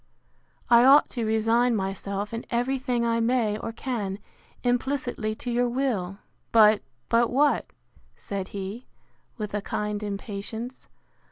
I ought to resign myself, in every thing I may or can, implicitly to your will. But—But what? said he, with a kind impatience.